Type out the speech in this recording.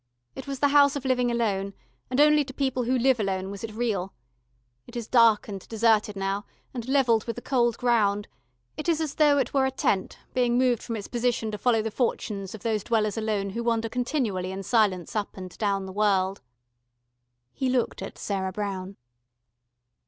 It was the House of Living Alone, and only to people who live alone was it real. It is dark and deserted now, and levelled with the cold ground; it is as though it were a tent, being moved from its position to follow the fortunes of those dwellers alone who wander continually in silence up and down the world...." He looked at Sarah Brown.